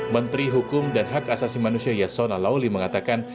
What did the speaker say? menteri hukum dan hak asasi manusia yasona lauli mengatakan